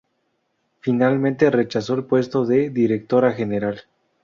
Finalmente rechazó el puesto de Directora General.